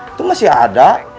itu masih ada